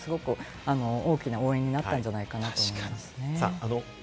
今回はすごく大きなものになったんじゃないかと思います。